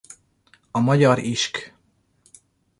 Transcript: A magyar isk.